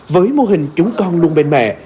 với mô hình chúng con luôn bên mẹ